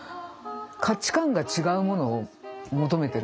価値観が違うものを求めてるんですよ。